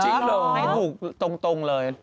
จริงเหรอให้ถูกตรงเลย